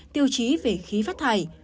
tiêu chí về khí phát thải